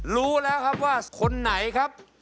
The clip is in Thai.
รู้แล้วครับว่าคนไหนครับ